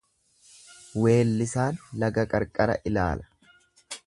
Weellisaan laga qarqara ilaala.